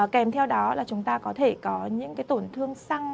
kèm theo đó là chúng ta có thể có những tổn thương săng